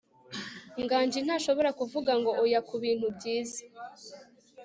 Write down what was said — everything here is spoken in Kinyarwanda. nganji ntashobora kuvuga ngo oya kubintu byiza